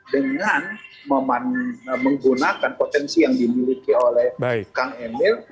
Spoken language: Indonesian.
dengan menggunakan potensi yang dimiliki oleh kang emil